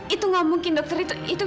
itu nggak mungkin dokter